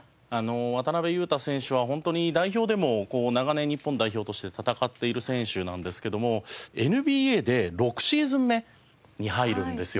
渡邊雄太選手はホントに代表でも長年日本代表として戦っている選手なんですけどもＮＢＡで６シーズン目に入るんですよ。